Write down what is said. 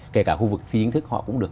kể cả khu vực phi chính thức họ cũng được